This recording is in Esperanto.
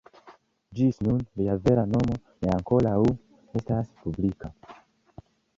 Ĝis nun, lia vera nomo ne ankoraŭ estas publika.